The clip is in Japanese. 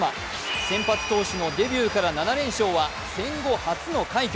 先発投手のデビューから７連勝は戦後初の快挙。